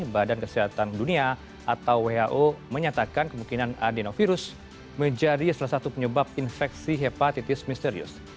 badan kesehatan dunia atau who menyatakan kemungkinan adenovirus menjadi salah satu penyebab infeksi hepatitis misterius